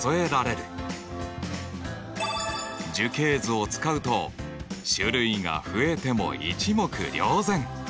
樹形図を使うと種類が増えても一目瞭然。